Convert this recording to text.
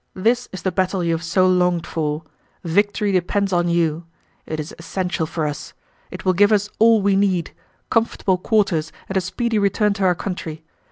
This is the battle you have so longed for. Victory depends on you. It is essential for us; it will give us all we need: comfortable quarters and a speedy return to our country.